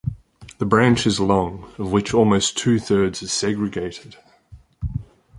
The branch is long, of which almost two thirds is segregated.